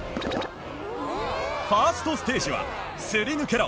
ファーストステージはすり抜けろ！